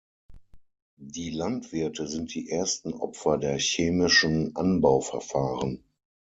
Die Landwirte sind die ersten Opfer der chemischen Anbauverfahren.